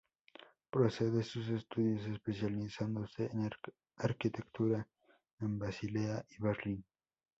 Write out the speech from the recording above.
Procede sus estudios especializándose en Arquitectura en Basilea y Berlín.